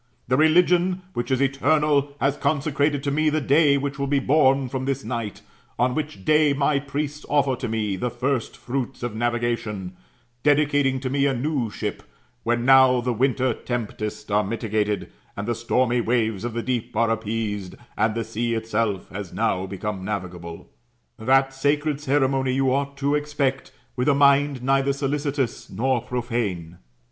The religion which is eternal has consecrated to me the day which will be bom from this night ; on which day my priests offer to me the first fruits of navigation, dedicating to me a new ship, when now the winter tempests are mitigated, and the stormy waves of the deep are appeased, and the sea itself hsis now become navig able. That sacred ceremony you ought to expect, with a mind neither solicitous nor profane.